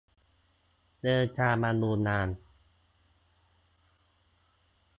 เดินทางมาดูงาน